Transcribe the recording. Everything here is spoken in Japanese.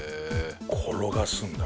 転がすんだ。